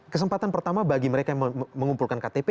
kesempatan pertama bagi mereka yang mengumpulkan ktp